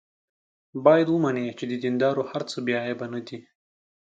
باید ومني چې د دیندارو هر څه بې عیبه نه دي.